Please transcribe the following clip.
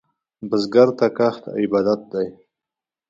بزګر ته کښت عبادت دی